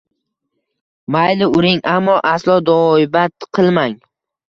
Mayli uring, ammo aslo duoibad qilmang